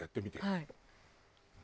はい。